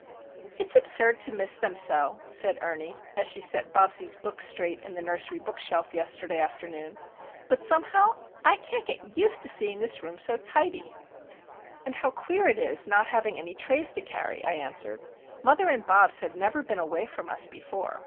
"It's absurd to miss them so," said Ernie, as she set Bobsie's books straight in the nursery book shelf yesterday afternoon. "But, somehow, I can't get used to seeing this room so tidy!" "And how queer it is not having any trays to carry," I answered. "Mother and Bobs have never been away from us before.